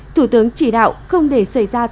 thủ tướng chỉ đạo không để xảy ra tình huống